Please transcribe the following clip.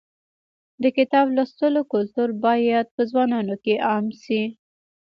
د کتاب لوستلو کلتور باید په ځوانانو کې عام شي.